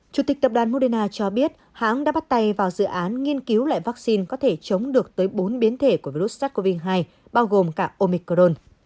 chủ tịch tập đoàn moderna cho biết hãng đã bắt tay vào dự án nghiên cứu lại vaccine có thể chống được tới bốn biến thể của virus sars cov hai bao gồm cả omicron